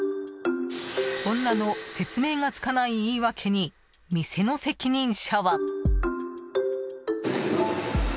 女の説明がつかない言い訳に店の責任者は。